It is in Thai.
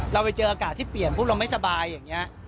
เราไปเจออากาศที่เปลี่ยนพวกเราไม่สบายอย่างนี้